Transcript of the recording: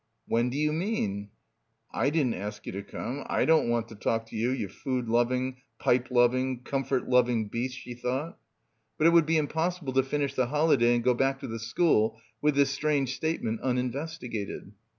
"When do you mean?" I didn't ask you to come, 7 don't want to talk to you, you food loving, — 224 — BACKWATER pipe loving, comfort loving beast, she thought. But it would be impossible to finish the holiday and go back to the school with this strange state ment uninvestigated.